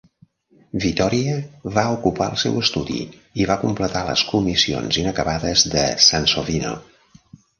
Vittoria va ocupar el seu estudi i va completar les comissions inacabades de Sansovino.